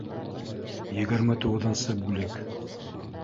Егерме туғыҙынсы бүлек